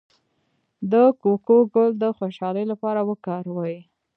د کوکو ګل د خوشحالۍ لپاره وکاروئ